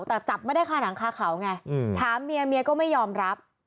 แต่จับไม่ได้ค่ะหนังคาเขาไงถามเมียเมียก็ไม่ยอมรับ